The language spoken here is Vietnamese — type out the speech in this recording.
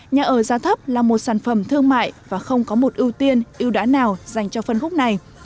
nhà ở giá thấp là một sản phẩm thương mại và không có một ưu tiên ưu đãi nào dành cho phân khúc này